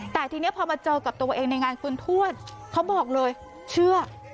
แต่ทีนี้พอมาเจอกับตัวเองในงานคุณทวดเขาบอกเลยเชื่อ